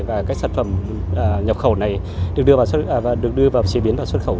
và các sản phẩm nhập khẩu này được đưa vào xế biến và xuất khẩu